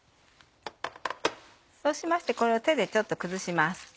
そうしましてこれを手でちょっと崩します。